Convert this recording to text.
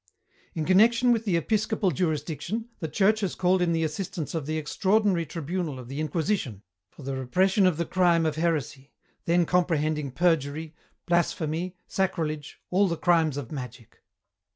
"In connection with the episcopal jurisdiction, the Church has called in the assistance of the extraordinary tribunal of the Inquisition, for the repression of the crime of heresy, then comprehending perjury, blasphemy, sacrilege, all the crimes of magic.